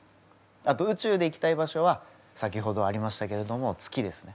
あと宇宙で行きたい場所は先ほどありましたけれども月ですね。